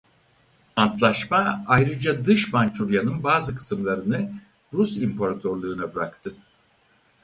Antlaşma ayrıca Dış Mançurya'nın bazı kısımlarını Rus İmparatorluğu'na bıraktı.